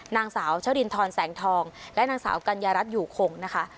นางสาวชรินทรแสงทองและนางสาวกัญญารัฐอยู่คงนะคะ